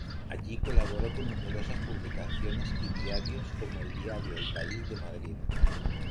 Allí colaboró con numerosas publicaciones y diarios como el diario El País de Madrid.